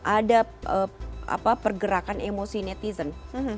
ada pergerakan emosi netizen